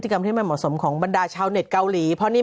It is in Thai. ก็มาเรียกรีซอะวันอีด้วย